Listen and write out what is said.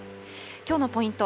きょうのポイント